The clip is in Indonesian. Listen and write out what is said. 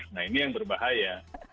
nah ini yang berbahaya